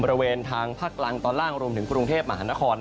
บริเวณทางภาคกลางตอนล่างรวมถึงกรุงเทพมหานคร